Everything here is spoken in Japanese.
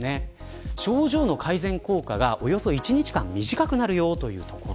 症状の改善効果がおよそ１日間短くなるというところ。